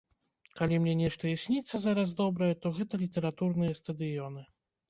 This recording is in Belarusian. Калі мне нешта і сніцца зараз добрае, то гэта літаратурныя стадыёны.